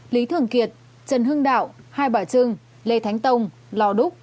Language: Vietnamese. lý thường kiệt trần hưng đạo hai bà trưng lê thánh tông lò đúc